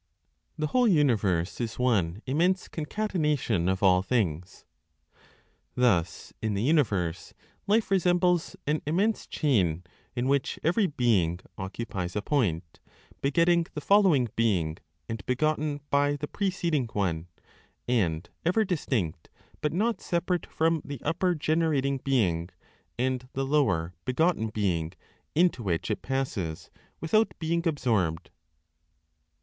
THE WHOLE UNIVERSE IS ONE IMMENSE CONCATENATION OF ALL THINGS. Thus, in the universe, life resembles an immense chain in which every being occupies a point, begetting the following being, and begotten by the preceding one, and ever distinct, but not separate from the (upper) generating Being, and the (lower) begotten being into which it passes without being absorbed.